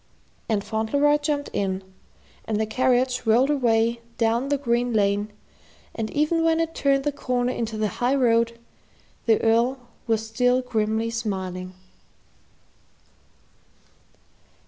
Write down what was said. And Fauntleroy jumped in, and the carriage rolled away down the green lane, and even when it turned the corner into the high road, the Earl was still grimly smiling.